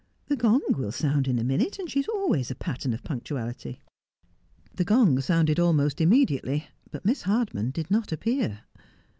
' The gong will sound in a minute, and she is always a pattern of punctuality.' The gong sounded almost immediately, but Miss Hardman did not appear.